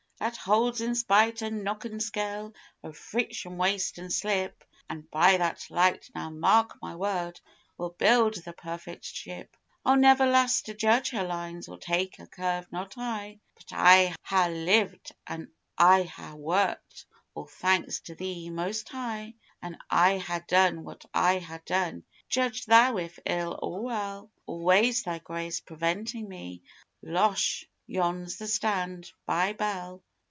That holds, in spite o' knock and scale, o' friction, waste an' slip, An' by that light now, mark my word we'll build the Perfect Ship. I'll never last to judge her lines or take her curve not I. But I ha' lived an' I ha' worked. All thanks to Thee, Most High! An' I ha' done what I ha' done judge Thou if ill or well Always Thy Grace preventin' me.... Losh! Yon's the "Stand by" bell.